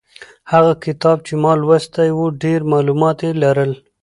هغه کتاب چې ما لوستی و ډېر معلومات یې لرل.